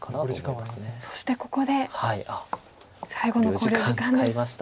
そしてここで最後の考慮時間です。